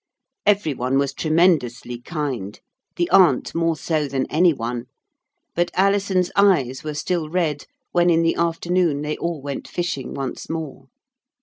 Every one was tremendously kind, the aunt more so than any one. But Alison's eyes were still red when in the afternoon they all went fishing once more.